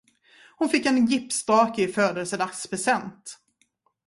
Hon fick en gipsdrake i födelsedagspresent.